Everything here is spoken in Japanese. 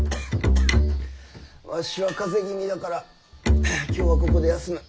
わしは風邪気味だから今日はここで休む。